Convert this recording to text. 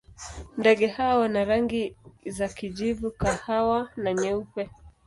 Ndege hawa wana rangi za kijivu, kahawa na nyeupe.